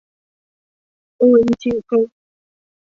โออิชิ กรุ๊ป